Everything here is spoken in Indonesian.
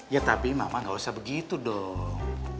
ya tapi mama gak usah begitu dong